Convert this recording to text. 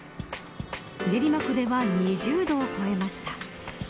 練馬区では２０度を超えました。